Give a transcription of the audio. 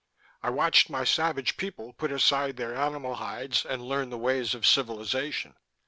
"I watched my savage people put aside their animal hides and learn the ways of civilization.